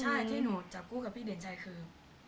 ใช่ที่หนูจับคู่กับพี่เดชใจคือ